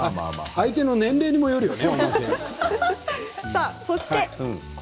相手の年齢にもよるよね。